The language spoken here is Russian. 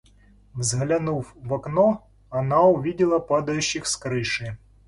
Взглянув в окно, она увидела падающих с крыши.